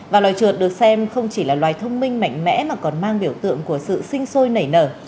và loài trượt được xem không chỉ là loài thông minh mạnh mẽ mà còn mang biểu tượng của sự sinh sôi nảy nở